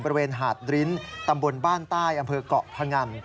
บริเวณหาดริ้นตำบลบ้านใต้อำเภอกเกาะพงัน